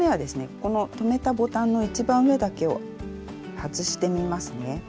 この留めたボタンの一番上だけを外してみますね。